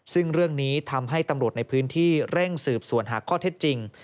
ซึ่งเรื่องนี้ทำให้ตำรวจในพื้นที่เร่งสืบสวนหาข้อเท็จจริง